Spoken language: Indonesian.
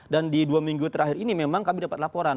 dan di dua minggu terakhir ini memang kami dapat laporan